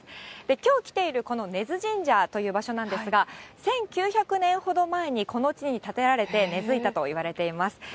きょう来ているこの根津神社という場所なんですが、１９００年ほど前にこの地に建てられて根づいたといわれています。